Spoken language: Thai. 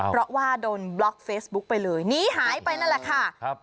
เพราะว่าโดนบล็อกเฟซบุ๊กไปเลยหนีหายไปนั่นแหละค่ะครับ